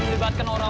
kau akan menang